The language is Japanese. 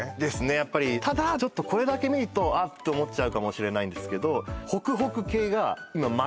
やっぱりただちょっとこれだけ見ると「あ」って思っちゃうかもしれないんですけど